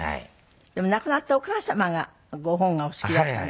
でも亡くなったお母様がご本がお好きだったんですって？